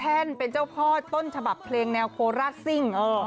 เป็นเจ้าพ่อต้นฉบับเพลงแนวโคราชซิ่ง